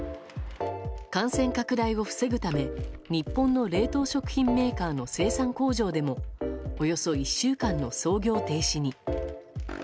感染拡大を防ぐため日本の冷凍食品メーカーの生産工場でもおよそ１週間の操業停止に。